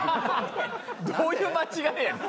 どういう間違えやねん。